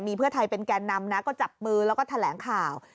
มีเพื่อไทยเป็นแก่นำนะก็จับมือแล้วก็แถลงข่าว